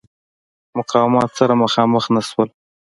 مقاومت سره مخامخ نه شول.